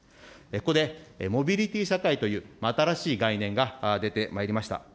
ここでモビリティ社会という新しい概念が出てまいりました。